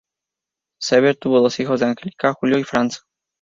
Sauer tuvo dos hijos con Angelica, Julio y Franz.